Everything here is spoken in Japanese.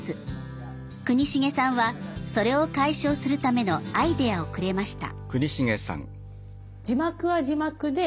国重さんはそれを解消するためのアイデアをくれました。